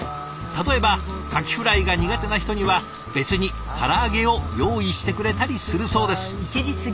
例えばかきフライが苦手な人には別にから揚げを用意してくれたりするそうです。